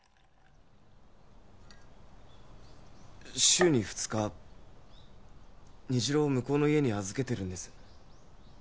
週に２日虹朗を向こうの家に預けてるんです